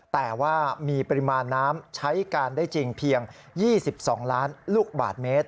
แต่ว่ามีปริมาณน้ำใช้การได้จริงเพียง๒๒ล้านลูกบาทเมตร